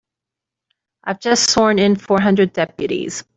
I've just sworn in four hundred deputies.